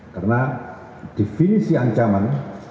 karena definisi ancaman